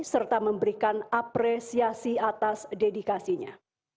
serta memberikan apresiasi atas dedikasinya